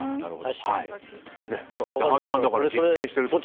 矢作さん、だから実践していると。